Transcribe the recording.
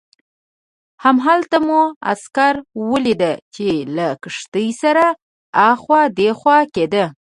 همالته مو عسکر ولید چې له کښتۍ سره اخوا دیخوا کېده.